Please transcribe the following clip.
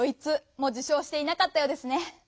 もじゅ賞していなかったようですね。